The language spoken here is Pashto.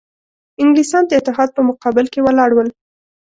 انګلیسیان د اتحاد په مقابل کې ولاړ ول.